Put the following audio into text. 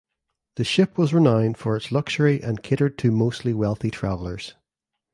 The ship was renowned for its luxury and catered to mostly wealthy travelers.